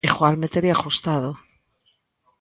Igual me tería gustado.